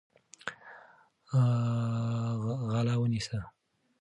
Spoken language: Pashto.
غله ونیسئ.